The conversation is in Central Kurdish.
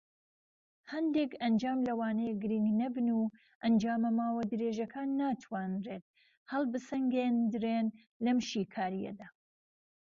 هەندێک ئەنجام لەوانەیە گرینگ نەبن، و ئەنجامە ماوە درێژەکان ناتوانرێت هەڵبسەنگێندرێن لەم شیکاریەدا.